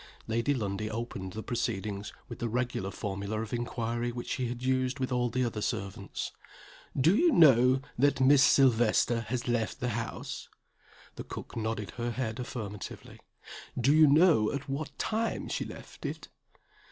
Lady Lundie opened the proceedings with the regular formula of inquiry which she had used with all the other servants, "Do you know that Miss Silvester has left the house?" The cook nodded her head affirmatively. "Do you know at what time she left it?"